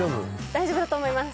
大丈夫だと思います